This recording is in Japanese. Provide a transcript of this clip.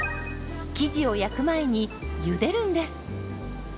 生地を焼く前にゆでるんです。